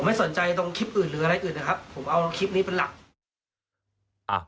ไม่สนใจตรงคลิปอื่นหรืออะไรอื่นนะครับผมเอาคลิปนี้เป็นหลัก